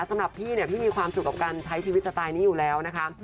สำหรับพี่เนี่ยพี่มีความสุขกับการใช้ชีวิตสไตล์นี้อยู่แล้วนะคะ